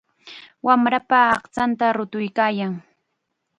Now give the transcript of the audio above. Wamrapa aqchanta rutuykaayan.